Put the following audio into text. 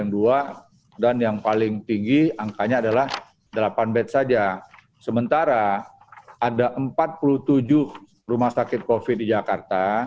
rumah sakit covid sembilan belas di jakarta